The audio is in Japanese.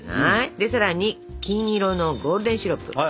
でさらに金色のゴールデンシロップ。